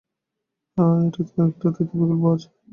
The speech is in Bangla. হ্যাঁ, একটা তৃতীয় বিকল্পও আছে।